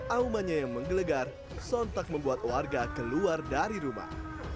aumannya yang menggelegar sontak membuat warga keluar dari rumah